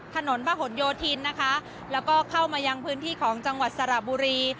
ถนนพระหลโยธินนะคะแล้วก็เข้ามายังพื้นที่ของจังหวัดสระบุรี